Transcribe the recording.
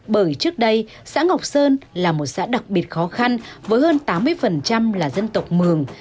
bởi trước đây xã ngọc sơn là một xã đặc biệt khó khăn với hơn tám mươi là dân tộc mường